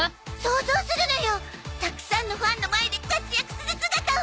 たくさんのファンの前で活躍する姿を！